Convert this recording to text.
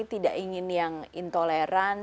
tidak ingin yang intoleran